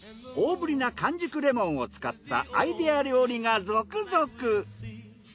大ぶりな完熟レモンを使ったアイデア料理が続々！